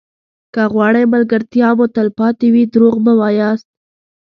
که غواړئ ملګرتیا مو تلپاتې وي دروغ مه وایاست.